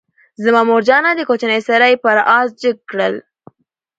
زما مورجانه دکوچنی سره یې پر آس جګ کړل،